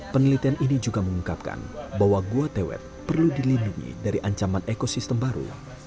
penelitian ini juga mengungkapkan bahwa gua tewet perlu dilindungi dari ancaman ekosistem baru